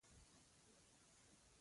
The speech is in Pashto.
کله چې د موږک په ګېډه کې شېره وي.